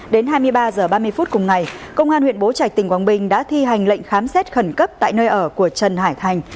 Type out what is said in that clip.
đến hai mươi ba h ba mươi phút cùng ngày công an huyện bố trạch tỉnh quảng bình đã thi hành lệnh khám xét khẩn cấp tại nơi ở của trần hải thành